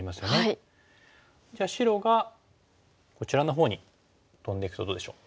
じゃあ白がこちらのほうにトンでいくとどうでしょう？